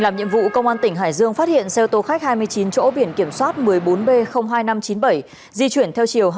làm nhiệm vụ công an tỉnh hải dương phát hiện xe ô tô khách hai mươi chín chỗ biển kiểm soát một mươi bốn b hai nghìn năm trăm chín mươi bảy di chuyển theo chiều